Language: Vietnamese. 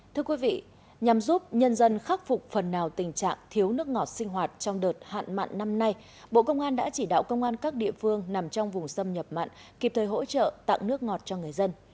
thưa quý vị nhằm giúp nhân dân khắc phục phần nào tình trạng thiếu nước ngọt sinh hoạt trong đợt hạn mạn năm nay bộ công an đã chỉ đạo công an các địa phương nằm trong vùng xâm nhập mặn kịp thời hỗ trợ tặng nước ngọt cho người dân